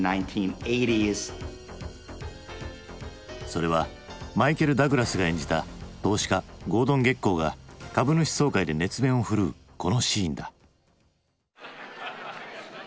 それはマイケル・ダグラスが演じた投資家ゴードン・ゲッコーが株主総会で熱弁をふるうこのシーンだ。